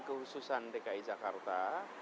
kehususan dki jakarta